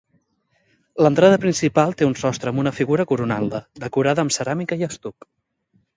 L'entrada principal té un sostre amb una figura coronant-la, decorada amb ceràmica i estuc.